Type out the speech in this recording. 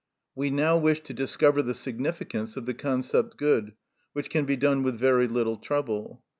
We now wish to discover the significance of the concept good, which can be done with very little trouble.